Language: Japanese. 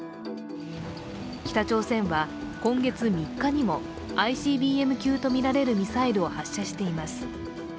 北朝鮮は今月３日にもＩＣＢＭ級とみられるミサイルを発射しています。